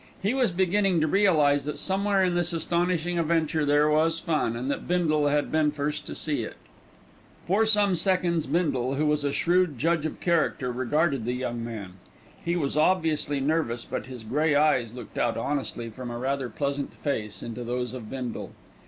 He was beginning to realise that somewhere in this astonishing adventure there was fun, and that Bindle had been first to see it. For some seconds Bindle, who was a shrewd judge of character, regarded the young man. He was obviously nervous, but his grey eyes looked out honestly from a rather pleasant face into those of Bindle.